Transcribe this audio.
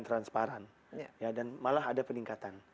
transparan dan malah ada peningkatan